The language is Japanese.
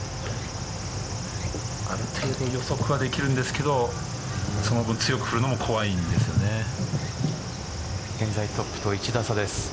ある程度予測はできるんですけどその分、強く振るのも現在トップと１打差です。